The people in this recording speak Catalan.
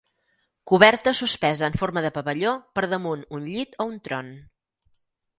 Coberta suspesa en forma de pavelló per damunt un llit o un tron.